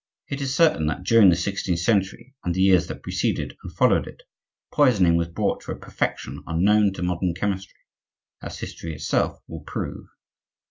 It is certain that during the sixteenth century, and the years that preceded and followed it, poisoning was brought to a perfection unknown to modern chemistry, as history itself will prove.